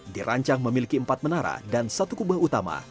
dirancang memiliki empat menara dan satu kubah utama